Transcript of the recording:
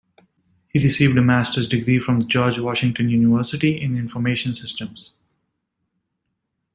He received a master's degree from the George Washington University in Information Systems.